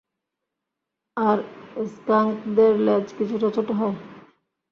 আর স্কাঙ্কদের লেজ কিছুটা ছোট হয়।